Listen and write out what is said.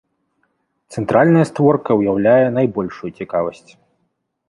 Цэнтральная створка ўяўляе найбольшую цікавасць.